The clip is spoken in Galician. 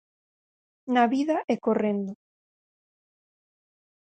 Na vida e correndo.